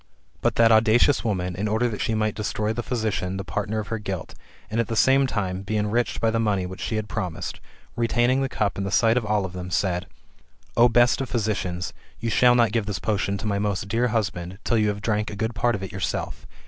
But that audacious woman, in order that she might destroy [the physician] the partner of her guilt, and, at the same time, be enriched /by the money which she had promised, retaining the cup in the sight of all of them, said, "O best of physicians, you shall not give this potion to my most dear husband, till you have drank a good part of it yourself.